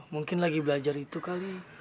mungkin lagi belajar itu kali